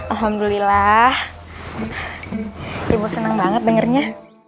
alhamdulillah ibu seneng banget dengernya